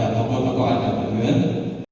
agar tengger kepada tokoh tokoh agar tengger